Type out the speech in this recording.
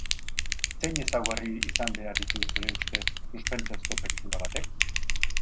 Zein ezaugarri izan behar ditu, zure ustez, suspensezko pelikula batek?